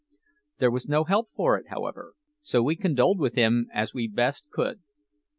There was no help for it, however, so we condoled with him as we best could.